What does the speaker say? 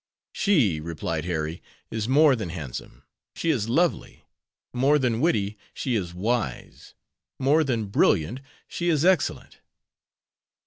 "She," replied Harry, "is more than handsome, she is lovely; more than witty, she is wise; more than brilliant, she is excellent."